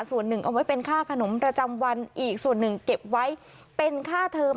ส่วนหนึ่งเอาไว้เป็นค่าขนมประจำวันอีกส่วนหนึ่งเก็บไว้เป็นค่าเทอม